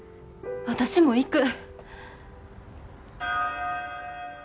私も行く。